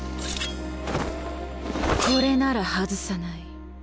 これなら外さない。